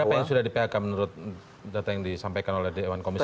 berapa yang sudah di phk menurut data yang disampaikan oleh dewan komisaris